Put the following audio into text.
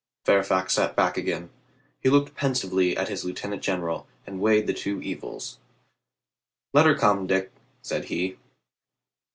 Fairfax sat back again. He looked pensively at his lieutenant general and weighed the two evils. "Let her come, Dick," said he.